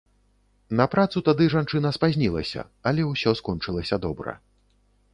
На працу тады жанчына спазнілася, але ўсё скончылася добра.